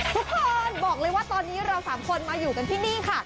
ทุกคนบอกเลยว่าตอนนี้เราสามคนมาอยู่กันที่นี่ค่ะ